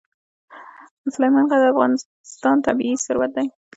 سلیمان غر د افغانستان طبعي ثروت دی.